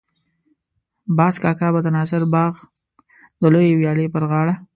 باز کاکا به د ناصر باغ د لویې ويالې پر غاړه.